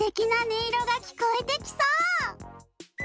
いろがきこえてきそう！